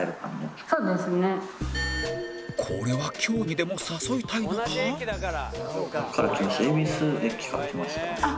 これは今日にでも誘いたいのか？